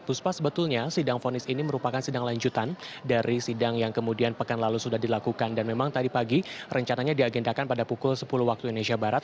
puspa sebetulnya sidang fonis ini merupakan sidang lanjutan dari sidang yang kemudian pekan lalu sudah dilakukan dan memang tadi pagi rencananya diagendakan pada pukul sepuluh waktu indonesia barat